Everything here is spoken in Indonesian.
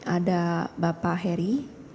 ada bapak heri